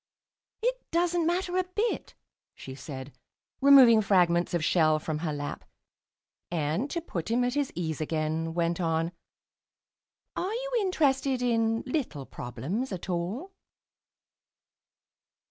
"It doesn't matter a bit," she said, removing fragments of shell from her lap; and, to put him at his ease again, went on "Are you interested in little problems at all?"